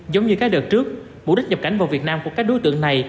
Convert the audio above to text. giống như các đợt trước mục đích nhập cảnh vào việt nam của các đối tượng này